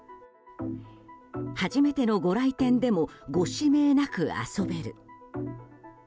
初めてのご来店でもご指名なく遊べる。